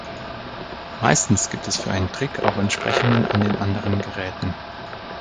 Meistens gibt es für einen Trick auch Entsprechungen an den anderen Geräten.